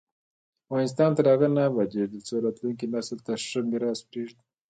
افغانستان تر هغو نه ابادیږي، ترڅو راتلونکي نسل ته ښه میراث پریږدو.